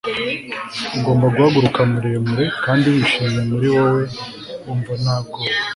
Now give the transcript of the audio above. Ugomba guhaguruka muremure kandi wishimye muri wowe wumva nta bwoba